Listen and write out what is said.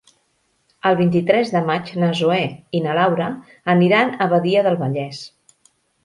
El vint-i-tres de maig na Zoè i na Laura aniran a Badia del Vallès.